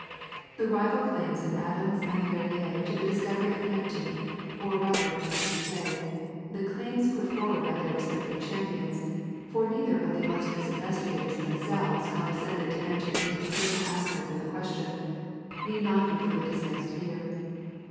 The rival claims of Adams and Le Verrier to the discovery of Neptune, or rather, we should say, the claims put forward by their respective champions, for neither of the illustrious investigators themselves condescended to enter into the personal aspect of the question, need not be further discussed here.